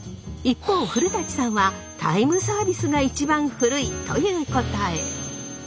一方古さんはタイムサービスが一番古いという答え。